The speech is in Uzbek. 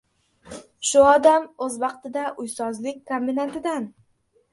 Shu odam o‘z vaqtida uysozlik kombinatidan